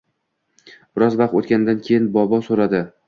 Biroz vaqt oʻtgandan keyin bobo soʻradi: